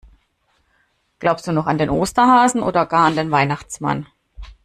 Glaubst du noch an den Osterhasen oder gar an den Weihnachtsmann?